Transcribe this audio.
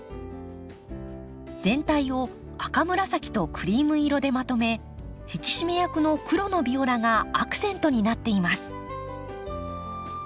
全体を赤紫とクリーム色でまとめ引き締め役の黒のビオラがアクセントになっています。